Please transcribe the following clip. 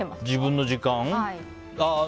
自分の時間？